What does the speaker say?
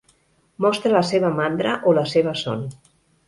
Mostra la seva mandra o la seva son.